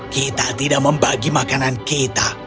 kita tidak membagi makanan kita